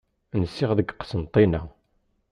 Nsiɣ deg Qsenṭina.